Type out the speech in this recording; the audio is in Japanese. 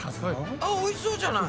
あっおいしそうじゃない。